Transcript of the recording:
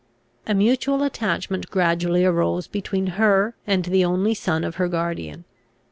A mutual attachment gradually arose between her and the only son of her guardian.